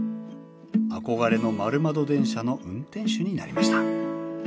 憧れの丸窓電車の運転手になりました。